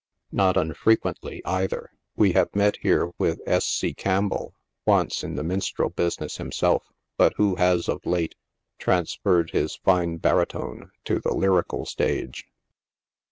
Not unfrequently, either, we have met here with S. C. Campbell, once in the minstrel business himself, but who has, of late, transferred his fine baritone to the ly rical stage.